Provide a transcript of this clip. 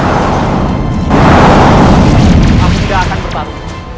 aku tidak akan tetap